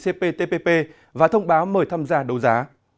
hiệp định cptpp và thông báo mời tham gia đối giá